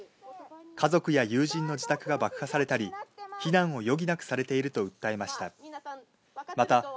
家族や友人の自宅が爆破されたり、避難を余儀なくされていると訴えました。